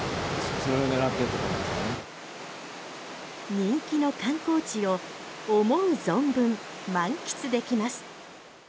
人気の観光地を思う存分満喫できます。